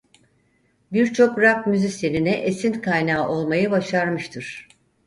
Birçok rock müzisyenine esin kaynağı olmayı başarmıştır.